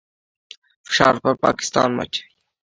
فشار پر پاکستان واچوي.